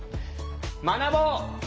学ぼう！